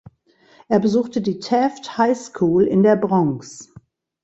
Er besuchte die Taft High School in der Bronx.